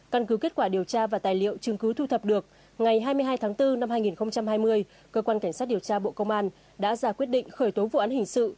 căn cứ kết quả điều tra và tài liệu chứng cứ thu thập được ngày hai mươi hai tháng bốn năm hai nghìn hai mươi cơ quan cảnh sát điều tra bộ công an đã ra quyết định khởi tố vụ án hình sự